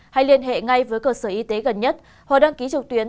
hay liên hệ ngay với cơ sở y tế gần nhất hoặc đăng ký trực tuyến